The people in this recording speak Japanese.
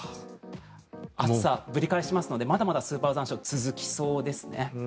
暑さ、ぶり返しますのでまだまだスーパー残暑続きそうですね。